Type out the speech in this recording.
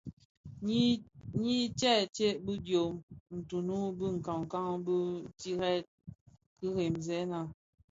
Nyi tsèntsé bi diom tunun bi nkankan, ti ted kiremzèna.